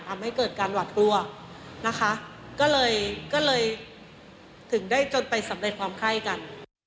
ทำให้เกิดการหวัดกลัวนะคะก็เลยก็เลยถึงได้จนไปสำเร็จความไข้กัน